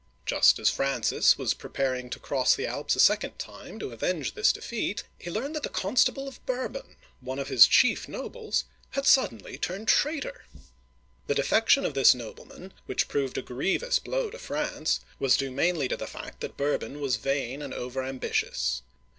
Just as Francis was preparing to cross the Alps a second time, to avenge this defeat, he learned that the Constable of Bourbon (boor'bun), one of his chief nobles, had suddenly turned traitor ! The defection of this nobleman, which proved a grievous blow to France, was due mainly to the fact that Bourbon was vain and overambitious.